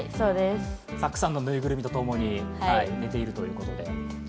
たくさんのぬいぐるみとともに、寝ていると。